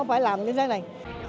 nó phải làm như thế này